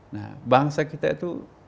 nah bangsa kita itu